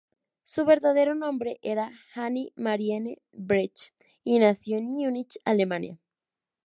Su verdadero nombre era Hanne Marianne Brecht, y nació en Múnich, Alemania.